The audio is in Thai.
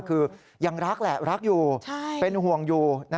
คือยังรักแหละรักอยู่เป็นห่วงอยู่